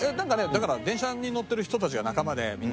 だから電車に乗ってる人たちが仲間でみんな。